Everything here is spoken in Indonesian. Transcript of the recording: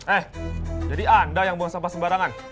eh jadi anda yang buang sampah sembarangan